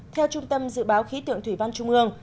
theo trung tâm dự báo khí tượng thủy văn trung ương